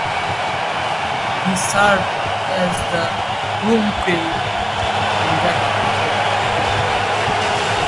He served as the "Worm Crew" conductor.